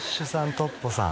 トッポさん